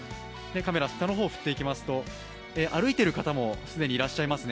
カメラ振っていただきますと、歩いている方も既にいらっしゃいますね。